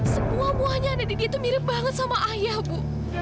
semua buahnya ada di dia itu mirip banget sama ayah ibu